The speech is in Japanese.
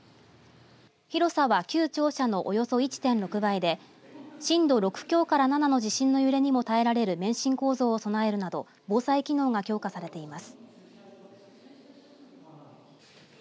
広さは旧庁舎のおよそ１．６倍で震度６強から７の地震の揺れにも耐えられる免震構造を備えるなど防災機能が強化されています。